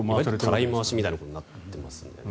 たらい回しみたいなことになってますもんね。